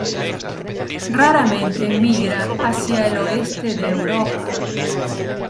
Raramente migra hacia el oeste de Europa.